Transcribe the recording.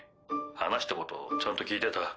話したことちゃんと聞いてた？